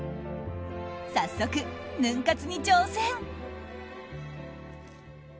早速、ヌン活に挑戦。